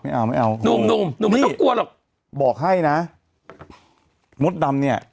ไม่เอานุ่มหนุ่มหนุ่มไม่ต้องกลัวหรอกบอกให้นะมดดำเนี่ย